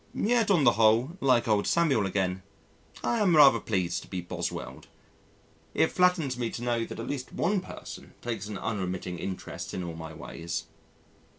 Yet on the whole like old Samuel again I am rather pleased to be Boswelled. It flatters me to know that at least one person takes an unremitting interest in all my ways.